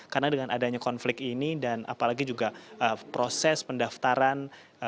karena dengan adanya konflik ini dan apalagi juga proses pendaftaran